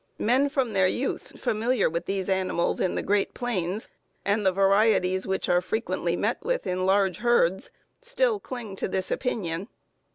Men from their youth familiar with these animals in the great plains, and the varieties which are frequently met with in large herds, still cling to this opinion.